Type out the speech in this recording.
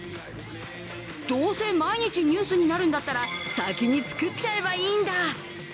どうせ毎日ニュースになるんだったら先に作っちゃえばいいんだ。